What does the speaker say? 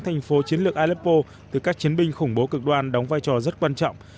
thành phố chiến lược aleppo từ các chiến binh khủng bố cực đoan đóng vai trò rất quan trọng